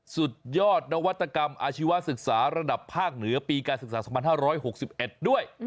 สุดยอดนวัตกรรมอาชีวศึกษาระดับภาคเหนือปีการศึกษา๒๕๖๑ด้วย